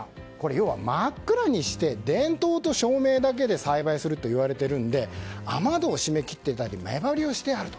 要は真っ暗にして、電灯と照明だけで栽培するといわれているので雨戸を閉め切っていたり目張りをしていると。